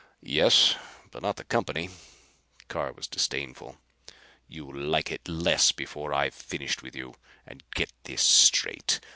"Yes, but not the company." Carr was disdainful. "You'll like it less before I've finished with you. And get this straight.